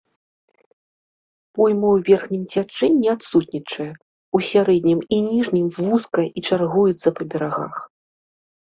Пойма ў верхнім цячэнні адсутнічае, у сярэднім і ніжнім вузкая і чаргуецца па берагах.